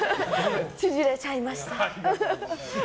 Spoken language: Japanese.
縮れちゃいました。